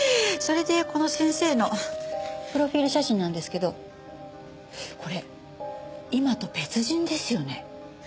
それでこの先生のプロフィール写真なんですけどこれ今と別人ですよね。